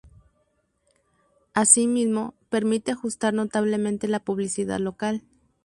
Asimismo, permite ajustar notablemente la publicidad local.